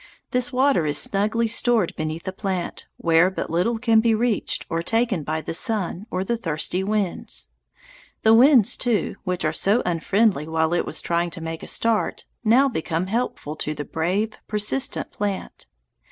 This water is snugly stored beneath the plant, where but little can be reached or taken by the sun or the thirsty winds. The winds, too, which were so unfriendly while it was trying to make a start, now become helpful to the brave, persistent plant.